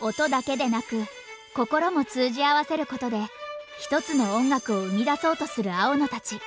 音だけでなく心も通じあわせることで１つの音楽を生み出そうとする青野たち。